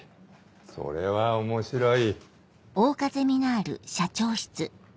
それは面白い。